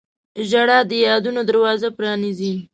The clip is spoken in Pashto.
• ژړا د یادونو دروازه پرانیزي.